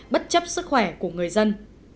bất chấp sức khỏe của người dân